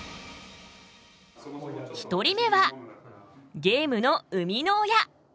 １人目はゲームの生みの親。